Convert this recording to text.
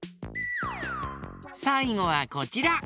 さいごはこちら。